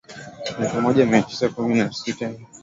Elfu moja Mia Tisa kumi na moja hadi elfu moja Mia Tisa elfu moja